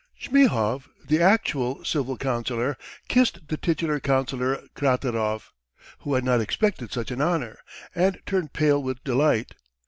Zhmyhov, the actual civil councillor, kissed the titular councillor Kraterov, who had not expected such an honour, and turned pale with delight.